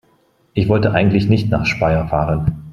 Ich wollte eigentlich nicht nach Speyer fahren